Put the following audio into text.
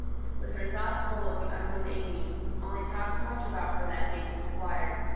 With her thoughts full of the unknown AimÄe, Molly talked much about her that day to the Squire.